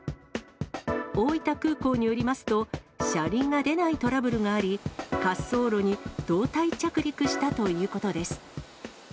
大分空港によりますと、車輪が出ないトラブルがあり、滑走路に胴体着陸したということです。